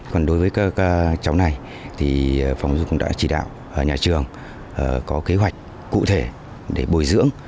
còn đối với các cháu này thì phòng giáo dục cũng đã chỉ đạo nhà trường có kế hoạch cụ thể để bồi dưỡng